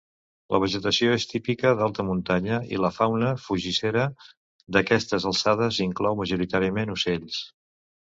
La vegetació és típica d'alta muntanya i la fauna fugissera d'aquestes alçades inclou majoritàriament ocells.